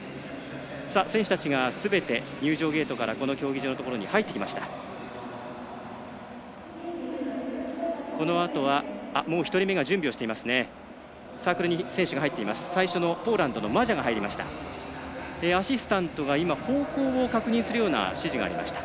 選手たちがすべて入場ゲートから競技場に入ってきました。